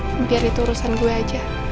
biar itu urusan gue aja